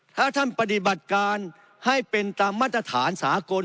ถ้าคุณภาคพิจารณ์ปฏิบัติการให้เป็นตามมาตรฐานสากล